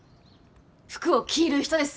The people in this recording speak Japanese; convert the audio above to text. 服を着る人です